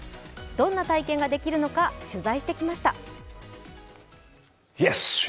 どんな体験ができるのか取材してきました。